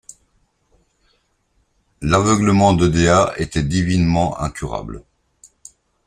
L’aveuglement de Dea était divinement incurable.